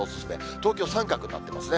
東京、三角になってますね。